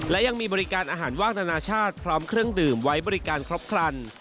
และยังมีบริการอาหารว่างนานาชาติพร้อมเครื่องดื่มไว้บริการครบครัน